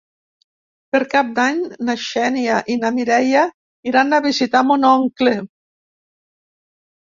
Per Cap d'Any na Xènia i na Mireia iran a visitar mon oncle.